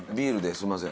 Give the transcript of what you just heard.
すいません。